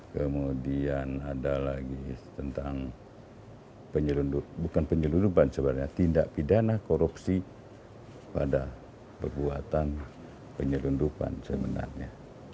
kemudian ada lagi tentang tindak pidana korupsi pada perbuatan penyelundupan sebenarnya